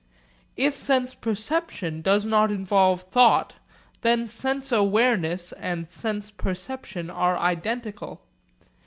If sense perception does not involve thought, then sense awareness and sense perception are identical.